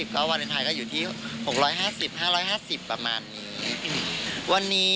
ก็วาเลนไทยก็อยู่ที่๖๕๐๕๕๐ประมาณนี้